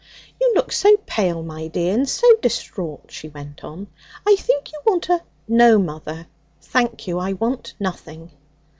'You look so pale, my dear, and so distraught,' she went on; 'I think you want a ' 'No, mother. Thank you, I want nothing.'